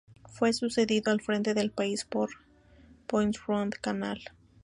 Fue sucedido al frente del país por Boisrond-Canal.